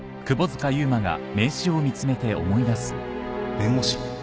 弁護士？